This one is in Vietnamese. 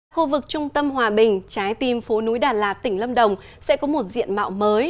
khu vực trung tâm hòa bình trái tim phố núi đà lạt tỉnh lâm đồng sẽ có một diện mạo mới